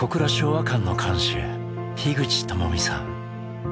和館の館主口智巳さん。